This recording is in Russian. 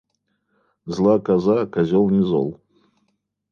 Зла коза, козёл не зол!